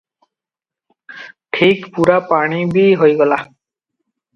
ଠିକ୍ ପୂରା ପାଣି ବି ହୋଇଗଲା ।